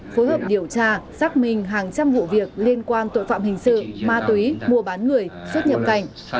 phối hợp điều tra xác minh hàng trăm vụ việc liên quan tội phạm hình sự ma túy mua bán người xuất nhập cảnh